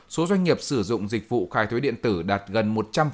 số doanh nghiệp sử dụng dịch vụ khai thuế điện tử đạt gần một trăm linh